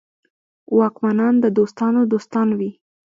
واکمنان د دوستانو دوستان وي.